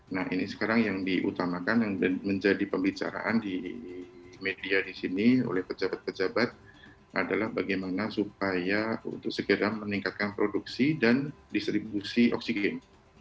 nah ini sekarang yang diutamakan yang menjadi pembicaraan di media di sini oleh pejabat pejabat adalah bagaimana supaya untuk segera meningkatkan produksi dan distribusi oksigen